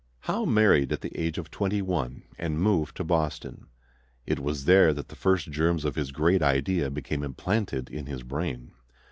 Howe married at the age of twenty one and moved to Boston. It was there that the first germs of his great idea became implanted in his brain.